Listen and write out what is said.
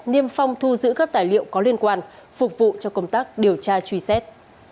niêm phong thu giữ các tài liệu có liên quan phục vụ cho công tác điều tra truy xét